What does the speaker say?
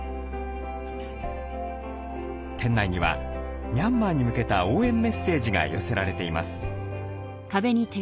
店内にはミャンマーに向けた応援メッセージが寄せられています。